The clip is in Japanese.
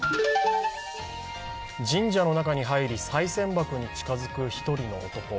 神社の中に入り、さい銭箱に近づく１人の男。